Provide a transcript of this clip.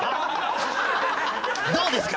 どうですか？